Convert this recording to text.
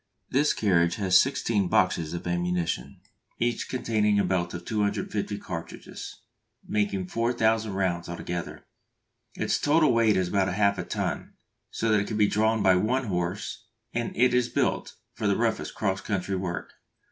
This carriage has sixteen boxes of ammunition, each containing a belt of 250 cartridges, making 4000 rounds altogether. Its total weight is about half a ton, so that it can be drawn by one horse, and it is built for the roughest cross country work.